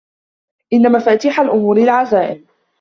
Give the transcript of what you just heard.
إن مفاتيح الأمور العزائم